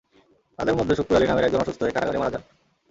তাঁদের মধ্যে শুক্কুর আলী নামের একজন অসুস্থ হয়ে কারাগারে মারা যান।